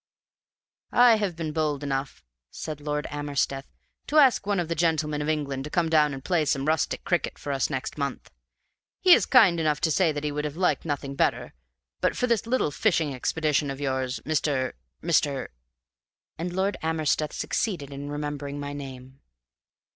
"I have been bold enough," said Lord Amersteth, "to ask one of the Gentlemen of England to come down and play some rustic cricket for us next month. He is kind enough to say that he would have liked nothing better, but for this little fishing expedition of yours, Mr. , Mr. ," and Lord Amersteth succeeded in remembering my name.